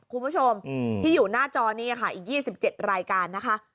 คุณผู้ชมที่อยู่หน้าจอนี้ค่ะอีก๒๗รายการนะคะ